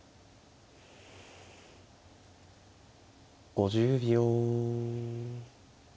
５０秒。